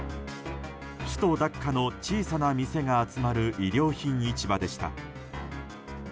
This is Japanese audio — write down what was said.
首都ダッカの小さな店が集まる衣料品市場でした。